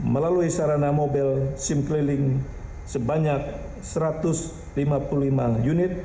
melalui sarana mobil sim keliling sebanyak satu ratus lima puluh lima unit